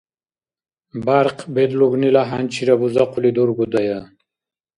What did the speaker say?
Бяркъ бедлугнила хӀянчира бузахъули дургудая?